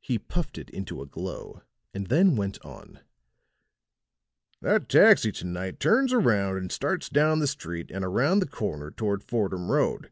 He puffed it into a glow, and then went on: "That taxi to night turns around and starts down the street and around the corner toward Fordham Road.